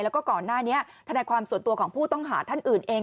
แล้วก็ก่อนหน้านี้ธนายความส่วนตัวของผู้ต้องหาท่านอื่นเอง